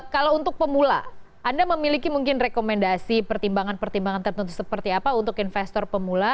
kalau untuk pemula anda memiliki mungkin rekomendasi pertimbangan pertimbangan tertentu seperti apa untuk investor pemula